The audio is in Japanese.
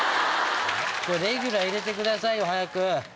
レギュラー入れてください早く。